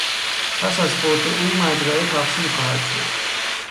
پس از فوت او مزرعه تقسیم خواهد شد.